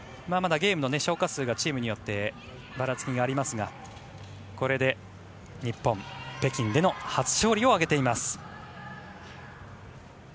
まだゲームの消化数がチームによってばらつきがありますがこれで日本北京での初勝利を挙げています。